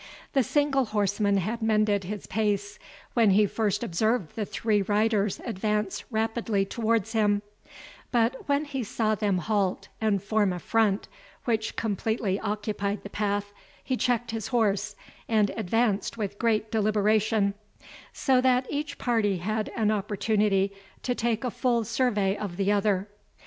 The single horseman had mended his pace, when he first observed the three riders advance rapidly towards him; but when he saw them halt and form a front, which completely occupied the path, he checked his horse, and advanced with great deliberation; so that each party had an opportunity to take a full survey of the other.